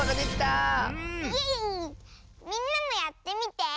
みんなもやってみて。